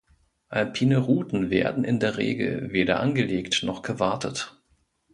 Alpine Routen werden in der Regel weder angelegt noch gewartet.